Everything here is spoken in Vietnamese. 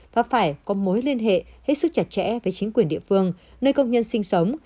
và phải có mối liên hệ hết sức chặt chẽ với chính quyền địa phương nơi công nhân sinh sống